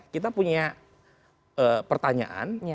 kita punya pertanyaan